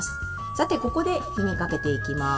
さて、ここで火にかけていきます。